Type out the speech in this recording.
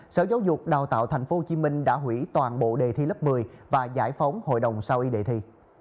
sở giáo dục đào tạo thành phố hồ chí minh đã hủy toàn bộ đề thi lớp một mươi và giải phóng hội đồng sau y đề thi